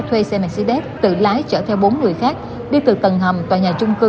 thuê xe mercedes tự lái chở theo bốn người khác đi từ tầng hầm tòa nhà trung cư